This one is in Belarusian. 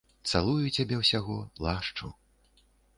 Цалую цябе ўсяго, лашчу.